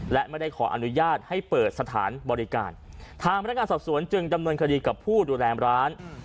และไม่ได้ขออนุญาตให้เปิดสถานบริการทางพนักงานสอบสวนจึงดำเนินคดีกับผู้ดูแลร้าน